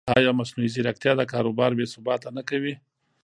ایا مصنوعي ځیرکتیا د کار بازار بېثباته نه کوي؟